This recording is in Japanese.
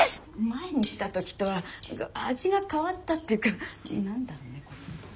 前に来た時とは味が変わったっていうか何だろうねこれ。